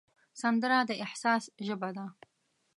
سندره د احساس ژبه ده